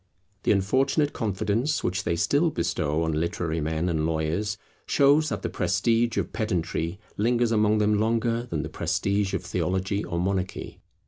The unfortunate confidence which they still bestow on literary men and lawyers shows that the prestige of pedantry lingers among them longer than the prestige of theology or monarchy.